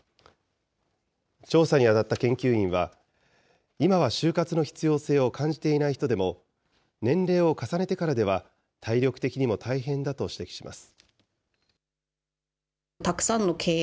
調査に当たった研究員は、今は終活の必要性を感じていない人でも、年齢を重ねてからでは体力的にも大変だと指摘します。